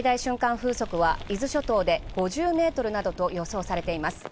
風速は伊豆諸島で５０メートルなどと予想されています。